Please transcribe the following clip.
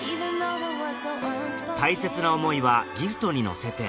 大切な思いはギフトに乗せて